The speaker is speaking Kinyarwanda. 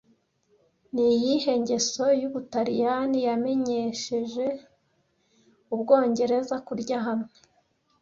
Ni iyihe ngeso y'Ubutaliyani yamenyesheje Ubwongereza Kurya hamwe